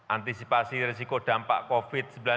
antisipasi risiko dampak covid sembilan belas